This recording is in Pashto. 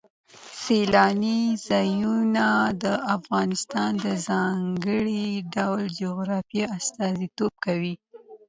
سیلانی ځایونه د افغانستان د ځانګړي ډول جغرافیه استازیتوب کوي.